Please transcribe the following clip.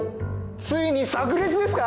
ついに炸裂ですか？